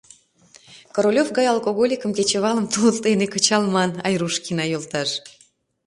Королёв гай алкоголикым кечывалым тул дене кычалман, Айрушкина йолташ.